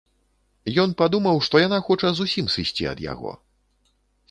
Ён падумаў, што яна хоча зусім сысці ад яго.